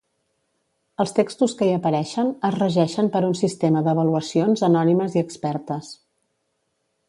Els textos que hi apareixen es regeixen per un sistema d'avaluacions anònimes i expertes.